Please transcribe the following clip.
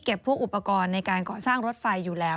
พวกอุปกรณ์ในการก่อสร้างรถไฟอยู่แล้ว